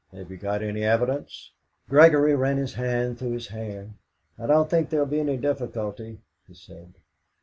Have you got any evidence?" Gregory ran his hand through his hair. "I don't think there'll be any difficulty," he said.